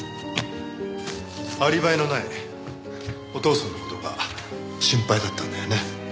アリバイのないお父さんの事が心配だったんだよね。